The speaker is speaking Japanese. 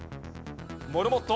モルモット。